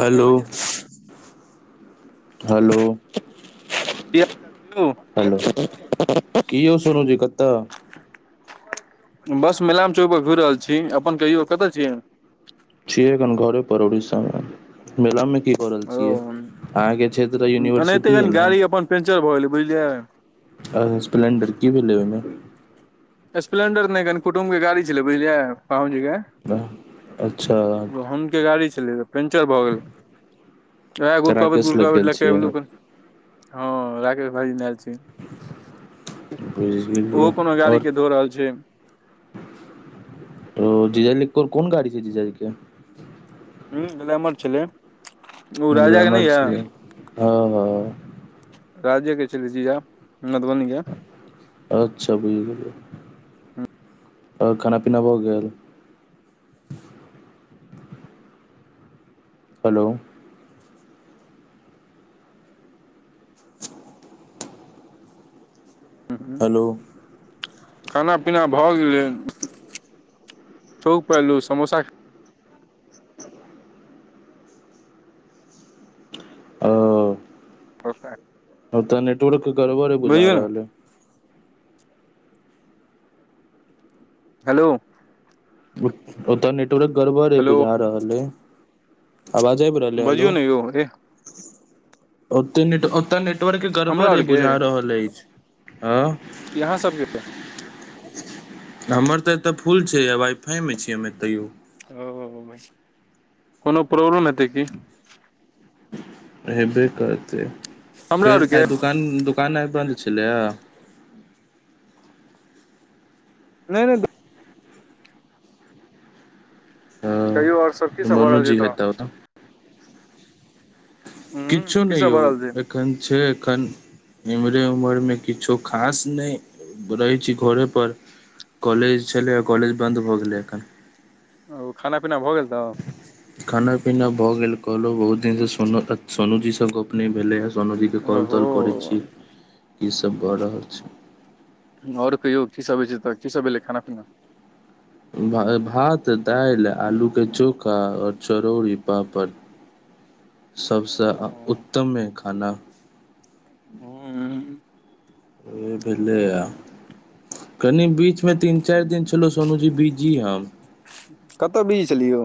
Hello hello hello, की हाल चाल छै? हेलो, की ओ सोनू जी कतऽ? बस मिलान चौक पर घुरि रहल छी, अपन कहियो कतऽ छी? छिय घनघौरे पर, ओडिशामे मेलामे की? की कऽ रहल ओ छियै? अहाँके क्षेत्र एनाहिते यूनिवर्सिटी य कनि ने? गाड़ी अपन पंचर भऽ गेलै, बुझलियै। आ स्प्लेंडर की भेलै ओहिमे? स्प्लेंडर नहि, कनि कुटुम्बके गाड़ी छलै, बुझलियै पाहुन जे। अच्छा हिनके गाड़ी छलै। पंचर भऽ गेल, तऽ गुड़कबत राकेश लग गुड़कावत गेल छियै ल। हँ, राकेश भाईजी आयल छथि, बुझि ओहो गेलियै कोनो गाड़ी लऽ कऽ? हो रहल छै। तऽ जीजाजीके कोन गाड़ी छै? जीजाजी हँ, ग्लैमर छलै। ओ राजा के नहि य छै हँ। राज्यके छलै जी, आब मधुबनीके। अच्छा, बुझि गेलियै। आओर खाना पीना भऽ गेल? हेलो [unintelligible] हूँ हेलो खाना पीना भऽ गेलै, कहलहुँ समोसा। ओ ओत ओतऽ नेटवर्क गड़बड़ बुझा ने रहल छै। हेलो ओतय नेटवर्क गड़बड़ छै, हेलो बुझा रहल छै। आवाज आबबि रहलै? हेलो बजियौ ने यौ ए ओते नेटवर्क हमरा गड़बड़ आरके बुझा रहल अछि। हँ कि अहाँ सभके हमर तऽ एतऽ फूल छै, वाइ-फाइमे छियै हम तैयो। ओ कोनो प्रॉब्लम हेतै की? हेबे करैत करैत हमरा फेर आरके आइ दुकान दुकान आइ बन्द छलै। नहि नहि कहियो, आओर सभ की हँ की भऽ रहल छै मनुजी तऽ? हेता ओतऽ हूँ किछु की नहि यौ, सब भऽ रहल छै एखन छै एखन। इम्हरे उम्हरेमे किछो खास नहि, घरे पर रहै छी। कॉलेज छलै आ कॉलेज बन्द भऽ गेलै एखन। ओ खाना पीना भऽ गेल न खाना पीना भऽ गेल कहलो बहुत दिन से सोन सोनू जी से गोप न भेले ह सोनूजीके काॅल ओहो ताॅल करै छी की सब भऽ रहल छै आओर कहियो की सभ होइ छै तऽ कीसभ एलै खाना पीना भात दालि आलू के चोखा और चरौड़री पापड़ सबसे उत्तमे खाना हँ ओह भेलैए आ कनि बीचमे तीन चार दिन छलो सोनू जी बीजी हम कत बीजी छलियो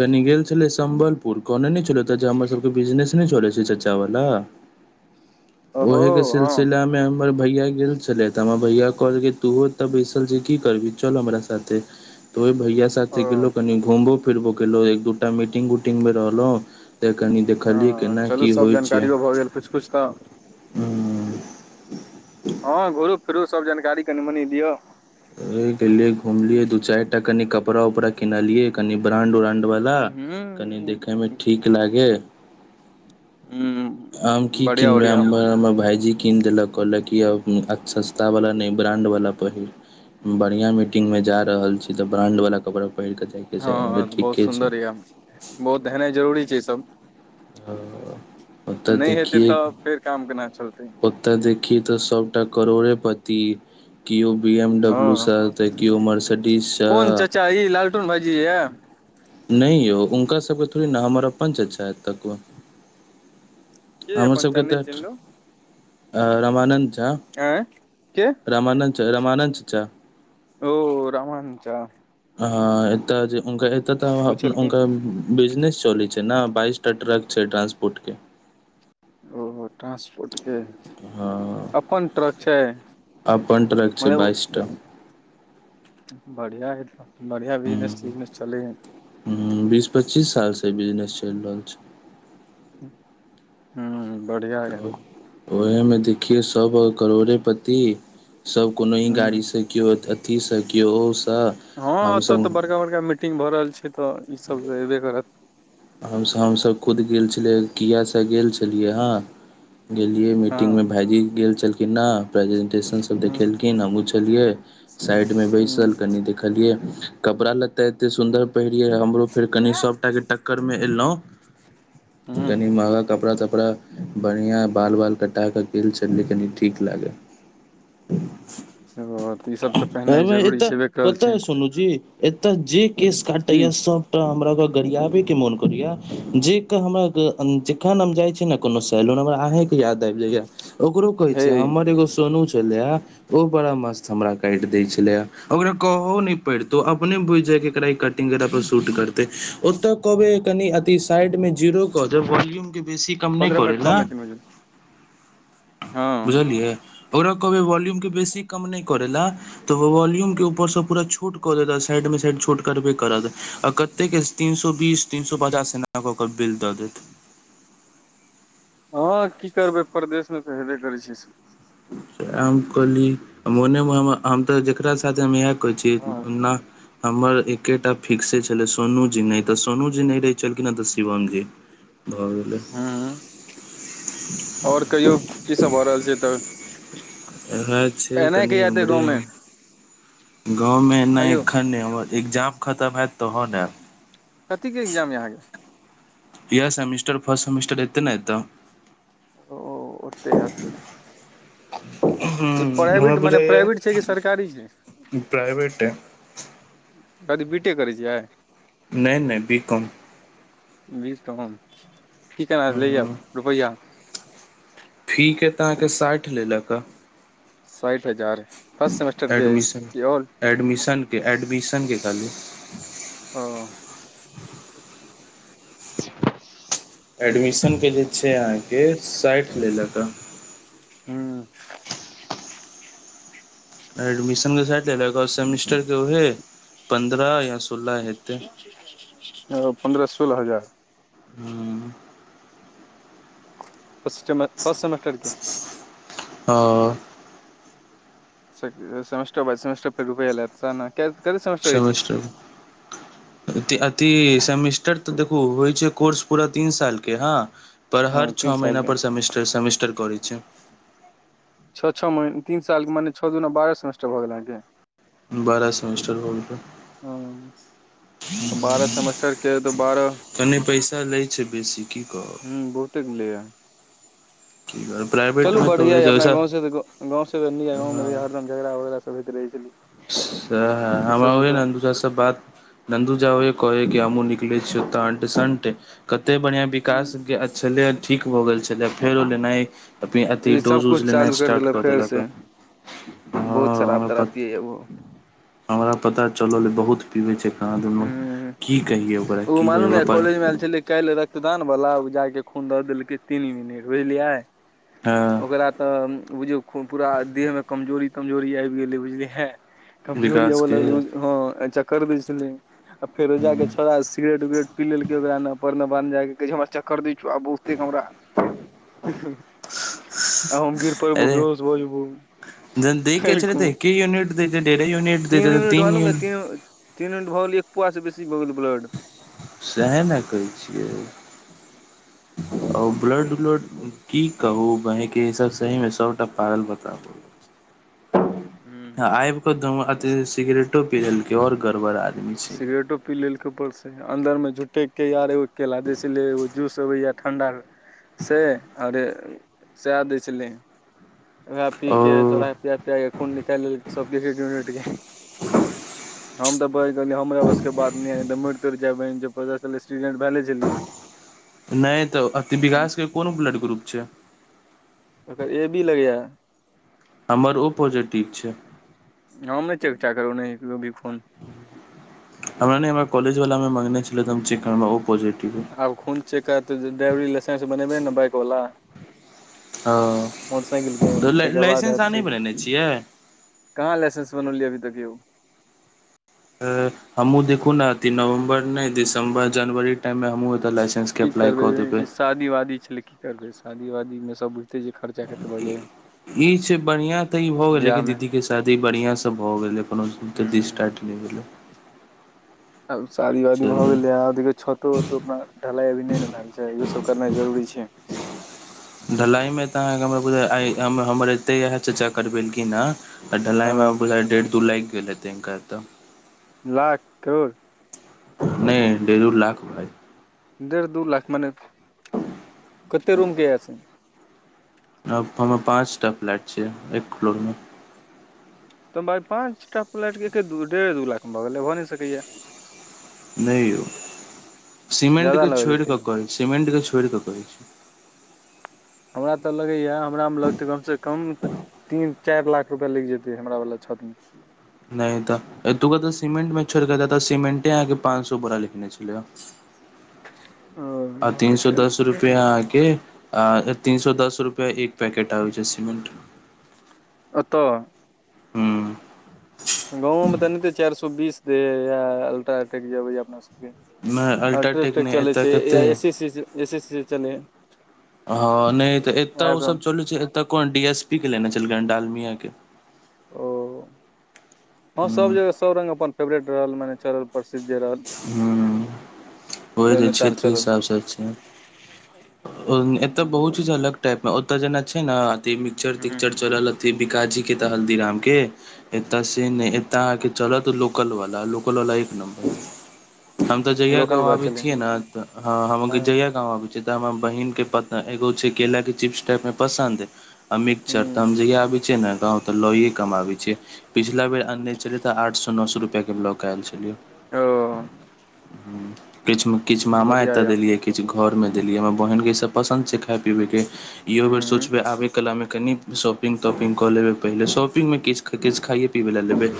कनि गेल छलै सम्बलपुर कोने ने छलै ओतय जे हमर सभके बिजनेस नहि चले छै चाचा बाला ओहो ओहिके हँ सिलसिलामे हमर भैया गेल छलै त हमर भैया कहलकै तूँ अते बैसल जे की करभी चल हमरा साथ थे त ओहि भैया ओ साथे गेलहुँ कनि घुमबो फिरबो केलहुँ एक दू टा मीटिंग उटिंग मे रहलो त कनि देखलियै केना की होइ छै [unintelligible] पुछता हूंम्म हँ घुरु फिरु सब जानकारी कनि मनी दिय हे गेलिय घूमलिय दू चार टा कनि कपड़ा उपड़ा किनलिये कनि ब्रांड उरानंड वा कनि देखे हूँ मे ठीक लागे हूंम्म आम की कीनबै हमर हमर भाईजी कीन देलक कहलक कि अब सस्तावला नहि ब्राण्डवला पहिर बढ़िया मीटिंग मे जा रहल छी त ब्रांड वाला कपड़ा पहिर के जाय हँ बहुत सुन्दर यऽ बहुत हेनाइ जरूरी छै ईसभ ह नहि हेतै तब फेर काम केना चलतै ओत देखी त सभटा करोड़ेपति केओ बी एमडब्ल्यू हँ स त केओ मर्सडीज स कोन चाचा ई लाल टुन भाइ जी ये नहि यौ हुनका सबके थोड़ी ने हमर अपन चच्चा एतके के हमर अपन चा सबके नहि तऽ चिन्हलौं रामानन्द झा आँय के रामानन्द चा रामानन्द चचा ओ रामानन्द चा हँ एत जे ओ एतय छलखिन हुनकर बिजनेस चलै छै ने बाइस टा ट्रक छै ट्रांसपोर्ट के ओ ट्रंसपोर्टके हँ अपन ट्रक छै अपन ट्रक छै मने ओ बाइस टा बढ़िया है बढ़िया बिजनेस तिजनेस चले है हूंम्म बीस पच्चीस साल से बिजनेस चलि रहल छै ठीक उएहमे देखियौ सभ करोड़े पति सब कोनो ही हूँ गाड़ीसँ केओ अथीसँ केओ ओसँ हँ ओतऽ हमसभ तऽ बड़का बड़का मीटिंग भऽ रहल छै तऽ ईसभ त अयबे करत हमसभ हमसभ खुद गेल छलियै कियासँ गेल छलियै हेँ गेलियै हँ मीटिंगगमे भाइजी गेल छलखिन ने प्रेजेन्ट स्टेशन सब हूँ देखेलखिन हमछलियै साइड में हूँ बैसल कनि देखलिये कपड़ा लत्ता एते सुन्दर पहिरिये हमरो फेर कनि सबटा के एलहुँ कनि महगा कपड़ा तपड़ा बढ़िआँ बाल बाल कटा कऽ गेल छलियै कनि ठीक लागै हूँ ई सब तऽ पहिनाइ अमे जरूरी तऽ छेबे करल पता छै हाय सुनू जी एतय जे केस काटे की या सबटा हमरा के गड़ियाबे के मोन करैया जे हमरा जखन हम जाय छीै ने कोनो सैलून हमर अहें के याद आबि जाइया ओकरो कहे हे छै हमर एगो सोनू छलेे ओ बड़ा मस्त हमरा काटि दय छले ओकरा कहहो नहि पड़तो अपने बुझि जायके एकरा ई कटिंग पर शूट करते ओतऽ कहब कनि अ साइड मे जीरो कह दे वॉल्यूम के बेसी कम नहि पन्द्रह करे मिनट ला कम एतैे बुझलियै ओकरा कहबै वॉल्यूम के बेसी कम नहि करै लए तऽ ओ वॉल्यूम के ऊपरसँ पूरा छोट कऽ देत साइड मे साइड छोट करबे करत आ कते के तीन सो बीस तीन सए पचास एनााक ओकर बिल द देत हँ की करबै परदेशमे तऽ हेबे करै छ हम कहली मोनेमे हम तऽ जकरा साथ हम आयब कहै हँ छैना हमर एक टिकेट आ फिक्से छले सोनू जी नहि तऽ सोनू जी नहि रहे छलखिन हँ तऽ शिवम जी भऽ गेलै हुँ हुँ आओर कहियो की सब भऽ रहल छै तऽ छै एनाइ कनि कहिया एतै उमरे गाँवमे ह गाँव में एना आयौ एक खन नहि एग्जाम खतम होयैत तहन ने आब कथिके एकगजाम अहाँ के यह सेमेिस्टर फर्स्ट सेमिस्टर एते ने एतऽ ओ ओते हायत हुँ ई प्राइवेट मने प्राइवेट छै कि सरकारी छै प्राइवेट है। कथी बीटे करै छियै नहि नहि बी कम बीस ठ के ने ले हम्म, आब रुपैआ फीक के तऽ अहाँके साठि लेलक हँ साठि हजार हर सेमस्टर एडमिशन एडमिशनके एडमिशनके कहँलू ओ एडमिशनके जे छै अहाँके साठि लेलक ह हुँ एडमिशनके साड लेल सेमेस्टरके उहे पन्द्रह या सोलह हेतै ओ पन्द्रह सोलह हजार ह्म रफस्ट सेमस्टर के ओ स से समेस्टर बाय सेमेस्टर पर समेस्टर रुपया लैत सेमेस्टर अथि सेमेस्टर तऽ देखू होइ छै कोर्स पूरा तीन सालके हँ पर हँ हर तीन छओ साल महीनाप के पर सेमेस्टर सेमेस्टर करैय छै छओ छओ मी तीनाल मने छ दिना बारहमेस्टर भऽ गेल अहाँके बारह सेमेिस्टर होल रह ह बारह सेमेस्टर के तऽ बारह कने पैसा लै छै बेसी की कहब हूँ बहुते लैए की कहब चलू प्राइवेटमे तऽ बढ़िआँ ओहे यए अपना जैसा गाँवसँ तऽ गाँवसँ तऽ नीक य गाँवमे हँ हरदम झगड़ा उगड़ा सभ होइत रहै छलै ह ह ई हमरा सब से ओहि तऽ न दू च बाद नन्दु झावे कहै कि हमूँ निकलैत छिय तऽट सन्ट कते बढ़िआं विकास हूँ छलै ठीक भऽ गेल छलै फेर ओ लेनाइ अपने अथी ई सब डोज उज कुछ चालू लेनाइ कैर स्टार्ट कर फेर देलक से ह ज ओ हमरा पता चलल बहुत पीबे छै कहाँ दुन हूँ की कहिे ओकरा की कहि ओकरा आय छलै कालहिख रदान बालला उपजा के खून दऽ देलकै तीन मिनट बुझलियै हँ ओकरा तऽ बुझिय पूरा देहमे कमजोरी तमजोरी आबि गेलै बुझलियै कमजोरी हब विकासके लगल हँ चक्कर भी छल आ फेर रोजाक के छौड़ा सिगेट उगरेट पी लेलकै ओकरा न ने बान्हि जायके कहै हमरा चक्कर द छ आ बहुझते हमरा आ हम गिर पड़बो अरे बेहोश भऽ जेबो जन देख के काल्हि छल रे त खुमा की यूनिट दत ढेरी यूनिट दे तऽ मिनट तीन मालूम य यूनि तीन मंट भऽ गेल एक पुआ से बेसी भऽ गेल ब्लड सएह ने कहै छियै ह ब्लड उलड की कहू बहि के सब सही मे सबटा पागल बताबु हूँ आब कोऽ ई सिगरेटो पीेलक और गड़बड़ा सिगरेटो पी लेल कपड़ से अंदर में झुटे के यार एो केला जैसे ले एगो जूस अबे या ठंडा से अरे सए दै छलै उएह ओ पीे सौराह पिया पियाे खून निकालि लेल सभके एक यूनिट के हम तऽ कह कहल हमरा बस के बात तो जाय बहिन पचास साल एक्सीडेंट भेले छलै नहि तऽ अति विकास के कोनो ब्लड ग्रुप छै ओकर ए भी लगैया हमर ओ पॉजिटिव छै हम नहि चेक च करब नहि भी फोन हमरा नहि हमरा कॉलेजवलामे मङ्गने छलै त हम चिक्नमे ओ पॉजिटिव आब खून चक तऽ ड्राइवरी लाइसेंस बनेबे ने बाइक वला ह मोटरसाइकिलके तऽ ताके बाद लाइसेंस हत अहाँ नहि से बनेने छियै कहाँ लाइसेस बनलिय अभीक यौ हमू देखु ने अ नवम्बर न दिसं्बर जनवरी के टाइम मे हमहु एताे लाइसेंस इ की केके अपप्लाइ कऽ करबै देबै शादी वादी छले की करबै शादी वादी मे सब बु ई छै बढ़िया तऽ ई भ गेलै बियाह कि मे दीदी के शादी बढ़िया से भऽ गेलै कोनो स्टारट नहि गेल आब शादी वादी भऽ गेलै देख छतो त अपना ढलाइ अभी नहि ने भेल छै इहो सब करनाइ जरूरी छै ढलाइमे तऽ अहाँके हमरा बुझाय आय हमर एतहि इहए च्चा कर भेलखिन हन आ ह ढलाइमे आब बुझाय डेढ़ दू लागि गेल हे तै हिनका तऽ लाख करोड़ नहि डेढ़ दू लाख भइ डेढ़ दू लाख मने कते रूम के अय से हमर पाँचटा फ्लैट छियै एक फ्लोरमे तऽ भााय पाँंच टा प्लैट के एके दू डेढ़े दू लाख मे भऽ गेलै भ नहि सकैया नहि यौ सीमेंट ज्यादा के लगलै छोड़ कऽ तैयो कहै सीमेंट के छोड़ कऽ कहै छी हमरा तऽ लगैए हमरामे लगतै कमसँ कम तीन चारि लाख रुपआ लागि जेतै हमरा वालला छत मे नहि तऽ एतुका तऽ सीमेंटमे छोड़ि कऽ दे तऽ सीमेंटे अहाँके पाँच सए बोरा लिखने छलैए मे ओ आ तीन आर सो के दस रुपआ अहके आ तीन सए दस रुपआ एक पैकेट आबय छै सिमेंट ओतऽ हूँ गाँव मे तन ते चारि सए बीस दे ह अल्ट्राटेक जेबै अपना सबके नहि अल्ट्राटेक अल्ट्रेटेक नहि चलै एतय छै कते या एसी सी एसी सी चलै हँ नहि तऽ इएह एतय सब ओसभ चलू छै एतऽ कोन डी एस पी के लेने छलकै हन डालमिया के ओ हँ सभ हूँ जगह सभ रङ्ग अपन फेवरेट रहल मने चलल प्रसिद्ध जे रहल हूँ ओहि त अनुसार क्षेत्र चलल हिसाबसँ छै एतय हूँ बहुत चीज अलग टाइप मे ओतय जेना छै ने अथ मिक्सचर तिक्चर चल अ बिकाजी के तऽ हल्दीराम के एतऽ से नहि एतऽ अहाँके चलत लोकल बा ल लोकलवला एक नमर हम तऽ जहिया लोकल गाँंव बला आबे चलै छियै ने ह हम हँ जहिया गाँंव आबे छीै त हमरा बहिन पता केगो छै केला के चिप्स टाइप मे पसन्द ह मिक्सचर त हूँ हम जहिया आब छिये ने गाॅंव तो लइये कऽ हम आबय छिये पिछला बेर अनने छलियै तऽ आठ सए नओ सए रुपआ के लऽकऽ आयल छलियै ह किछ किछु मामा बढ़िया एतय या देलियै किछु घर में देलियै हमरा बहिनके ईसब पसन्द छै खाइ पीबैके इहो बेर हूँ सोचबै आबै कलामे कनि शॉपिंग तॉपिङंगग कऽ लेबै पहिले शाॅपिंगमे किछु किछु खाइए पीबै लय लेबै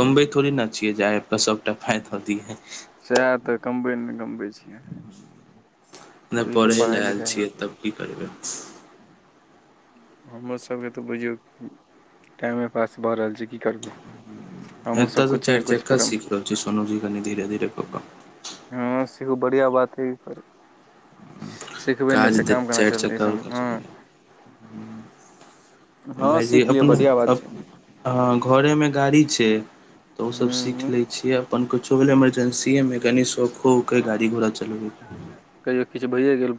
कमबै थोड़े ने छिये जे आइ त सबटा फाय दऽ दिये सह तऽ कमबे मे गमबे छी नहि तऽ पढ़ै लए पढ़ाइ आयल लिखाइ छियै तब की करबै हमरोसभके तऽ बुझियौ टाइमे पास भऽ रहल छै की करबै हमहुँ एतऽ सब तऽ कुछ चारि ने कुछ चक्का करब सीख रहल छी सोनूजी कनि धीेरे धीरे कऽ कऽ हँ सेहो बढ़ियाँ बात है [unintelligible] सिखबै नहि काज तऽ काम देत करना चारि चलतै इ सब म चक्का भाइजी लियअ अपने बढ़िया बात अप छै हँ घरेमे गाड़ी छै तऽ ओसभ सीख ह लैत छियै अपन कुछो भेलै इमरजेन्सीएमे कनि सौखोके गाड़ी ह घोड़ा चलबैके कहियो किछु भइए गेल